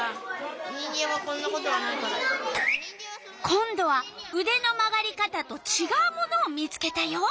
今度はうでの曲がり方とちがうものを見つけたよ！